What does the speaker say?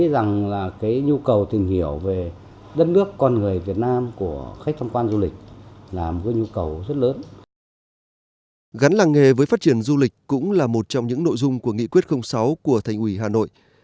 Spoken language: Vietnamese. gắn với phát triển du lịch cũng là một trong những nội dung của nghị quyết sáu của thành ủy hà nội